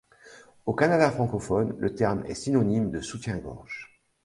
Au Canada francophone, le terme est synonyme de soutien-gorge.